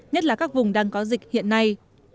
nhất là các vùng đang có dịch hiện nay